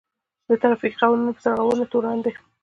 د ټرافيکي قوانينو په سرغړونه تورن دی.